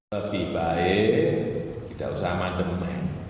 lebih baik kita usaha mandem